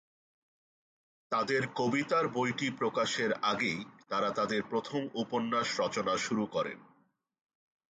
তাদের কবিতার বইটি প্রকাশের আগেই তারা তাদের প্রথম উপন্যাস রচনা শুরু করেন।